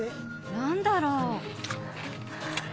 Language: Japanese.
何だろう？